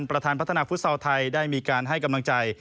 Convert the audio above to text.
ประธานพัฒนาฟุตซอลไทยได้มีการให้กำลังใจ